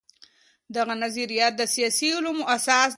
دغه نظريات د سياسي علومو اساس دي.